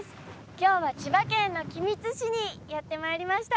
今日は千葉県の君津市にやってまいりました。